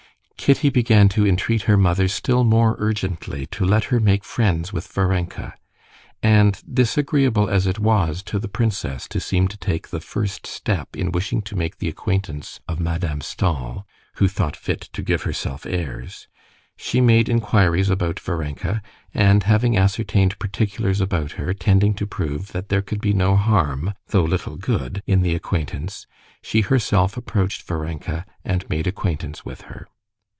Kitty began to entreat her mother still more urgently to let her make friends with Varenka. And, disagreeable as it was to the princess to seem to take the first step in wishing to make the acquaintance of Madame Stahl, who thought fit to give herself airs, she made inquiries about Varenka, and, having ascertained particulars about her tending to prove that there could be no harm though little good in the acquaintance, she herself approached Varenka and made acquaintance with her.